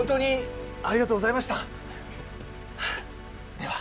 では。